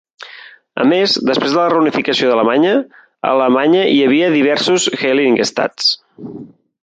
A més, després de la reunificació alemanya, a Alemanya hi havia diversos Heiligenstadts.